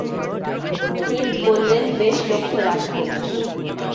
হিন্দ বললেন, বেশ লক্ষ্য রাখব।